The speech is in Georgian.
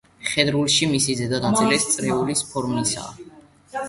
მხედრულში მისი ზედა ნაწილიც წრიული ფორმისაა.